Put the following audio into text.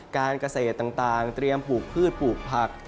การเกษตรต่างเตรียมปลูกพืชปลูกผัก